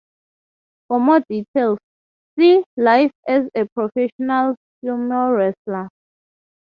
For more details, see Life as a professional sumo wrestler.